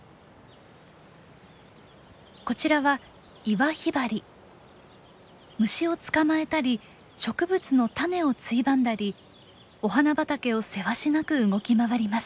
こちらは虫を捕まえたり植物の種をついばんだりお花畑をせわしなく動き回ります。